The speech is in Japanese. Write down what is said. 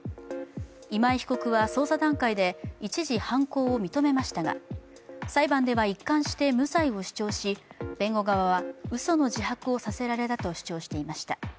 今井被告は捜査段階で一時、犯行を認めましたが、裁判では一貫して無罪を主張し弁護側はうその自白をさせられたと主張していました。